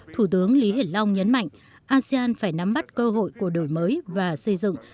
thủ tướng lý hiển long nhấn mạnh asean phải nắm bắt cơ hội của đổi mới và xây dựng